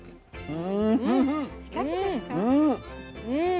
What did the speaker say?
うん。